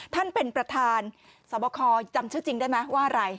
ท่านประธานเป็นประธานสอบคอจำชื่อจริงได้ไหมว่าอะไร